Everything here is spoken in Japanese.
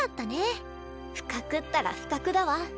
不覚ったら不覚だわ。